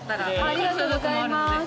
ありがとうございます。